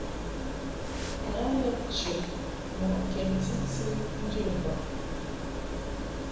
Na lɛ chəd mɔʼ kɛnti tɨ njə baŋ.